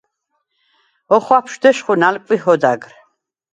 ოხვაფშვდ ეშხუ, ნალკვიჰვ ოდაგრ.